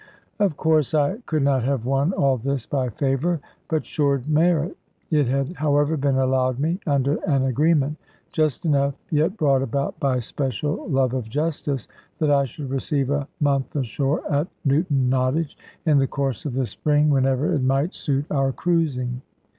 Of course I could not have won all this by favour; but showed merit. It had however been allowed me, under an agreement (just enough, yet brought about by special love of justice) that I should receive a month ashore at Newton Nottage, in the course of the spring, whenever it might suit our cruising.